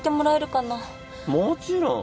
もちろん。